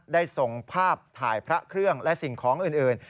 ได้ส่งภาพถ่ายพระเครื่องและสิ่งของอื่น